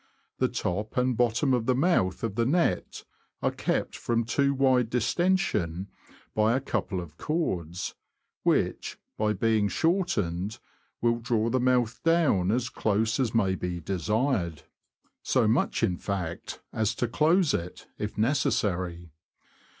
The top and bottom of the mouth of the net are kept from too wide distension by a couple of cords, which, by being shortened, will draw the mouth down as close as may be de sired ; so much in fact, as to close it, if necessary.